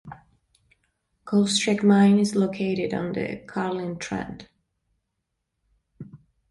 Goldstrike mine is located on the Carlin Trend.